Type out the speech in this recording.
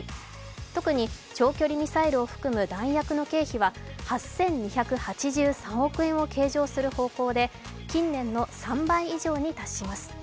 特に長距離ミサイルを含む弾薬の経費は８２８３億円を計上する方向で近年の３倍以上に達します。